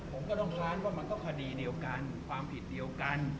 ผมก็ต้องค้านว่ามันก็คดีเดียวกันความผิดเดียวกัน